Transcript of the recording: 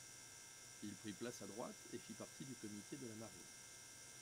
Il prit place à droite et fit partie du comité de la marine.